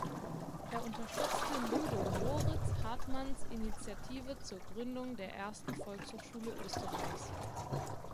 Er unterstützte Ludo Moritz Hartmanns Initiative zur Gründung der ersten Volkshochschule Österreichs.